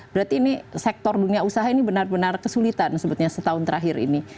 berarti ini sektor dunia usaha ini benar benar kesulitan sebetulnya setahun terakhir ini